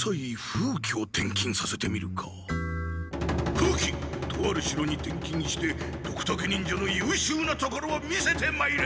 風鬼とある城に転勤してドクタケ忍者のゆうしゅうなところを見せてまいれ！